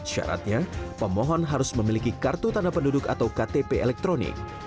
syaratnya pemohon harus memiliki kartu tanda penduduk atau ktp elektronik